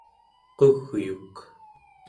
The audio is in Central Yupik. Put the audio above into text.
qugyuk